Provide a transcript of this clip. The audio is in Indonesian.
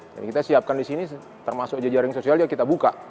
jadi kita siapkan di sini termasuk jejaring sosial ya kita buka